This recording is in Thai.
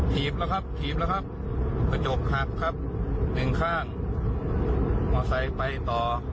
ถีบแล้วครับเดี๋ยวดังข้างข้าวสายไปต่อ